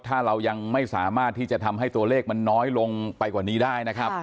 ถ้าเรายังไม่สามารถที่จะทำให้ตัวเลขมันน้อยลงไปกว่านี้ได้นะครับ